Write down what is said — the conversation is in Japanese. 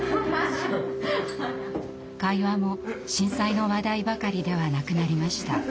会話も震災の話題ばかりではなくなりました。